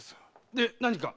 で何か？